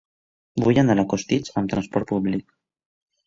Vull anar a Costitx amb transport públic.